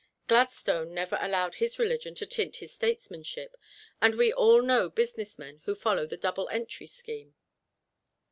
Gladstone never allowed his religion to tint his statesmanship, and we all know businessmen who follow the double entry scheme.